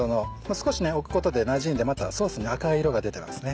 少し置くことでなじんでまたソースに赤い色が出てますね。